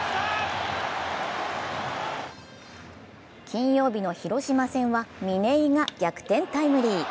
金曜日の広島戦は嶺井が逆転タイムリー。